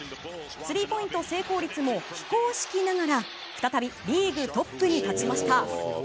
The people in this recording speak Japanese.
スリーポイント成功率も非公式ながら、再びリーグトップに立ちました。